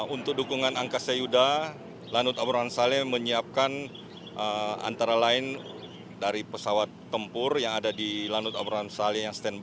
untuk dukungan angkasa yuda lanut abrahan saleh menyiapkan antara lain dari pesawat tempur yang ada di lanut abrahan saleh yang stand by